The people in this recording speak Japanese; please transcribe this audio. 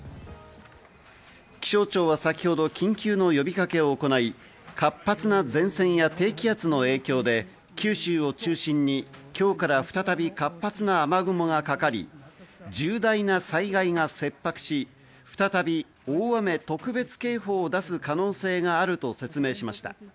気象庁は先ほど緊急の呼びかけを行い、活発な前線や低気圧の影響で九州を中心に今日から再び活発な雨雲がかかり、重大な災害が切迫し、再び大雨特別警報を出す可能性があると説明しました。